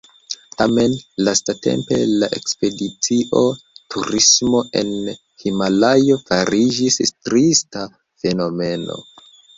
Tamen lastatempe la ekspedicio-turismo en Himalajo fariĝis trista fenomeno.